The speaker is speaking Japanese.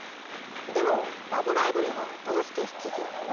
でも「ラブライブ！」にはどうして出場を？